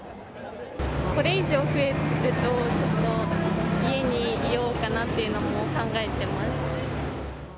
これ以上増えると、ちょっと家にいようかなっていうのも考えてます。